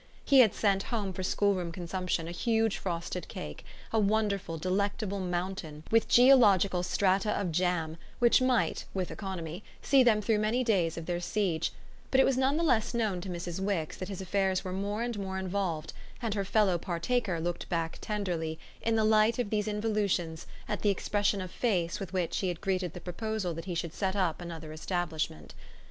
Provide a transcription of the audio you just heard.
He had sent home for schoolroom consumption a huge frosted cake, a wonderful delectable mountain with geological strata of jam, which might, with economy, see them through many days of their siege; but it was none the less known to Mrs. Wix that his affairs were more and more involved, and her fellow partaker looked back tenderly, in the light of these involutions, at the expression of face with which he had greeted the proposal that he should set up another establishment.